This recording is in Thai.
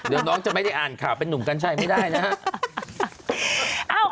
เดี๋ยวน้องจะไม่ได้อ่านข่าวเป็นนุ่มกัญชัยไม่ได้นะฮะ